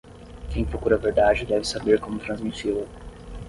Quem procura a verdade deve saber como transmiti-la.